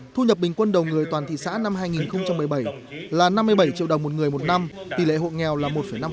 thu nhập bình quân đầu người toàn thị xã năm hai nghìn một mươi bảy là năm mươi bảy triệu đồng một người một năm tỷ lệ hộ nghèo là một năm